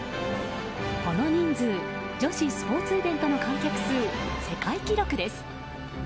この人数女子スポーツイベントの観客数世界記録です。